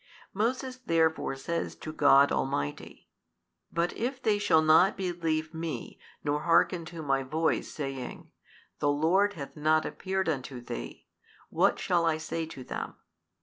Moses therefore says to God Almighty, But if they shall not believe me nor hearken to my voice, saying, The Lord hath not appeared unto thee, what shall I say to them?